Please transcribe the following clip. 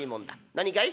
何かい？